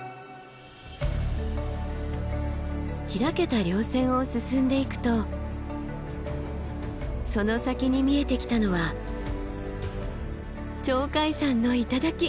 開けた稜線を進んでいくとその先に見えてきたのは鳥海山の頂！